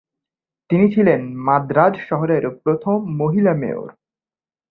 তিনি ছিলেন মাদ্রাজ শহরের প্রথম মহিলা মেয়র।